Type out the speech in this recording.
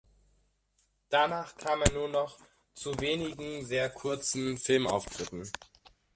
Danach kam er nur noch zu wenigen sehr kurzen Filmauftritten.